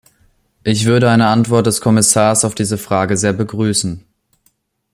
Ich würde eine Antwort des Kommissars auf diese Fragen sehr begrüßen.